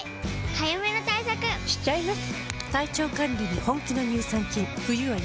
早めの対策しちゃいます。